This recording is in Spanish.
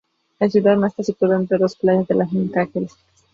La ciudad está situada entre dos playas de las mismas características.